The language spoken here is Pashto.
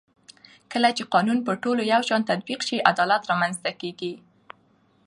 کله چې قانون پر ټولو یو شان تطبیق شي عدالت رامنځته کېږي